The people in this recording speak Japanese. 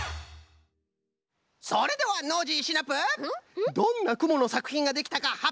それではノージーシナプーどんなくものさくひんができたかはっぴょうしておくれ！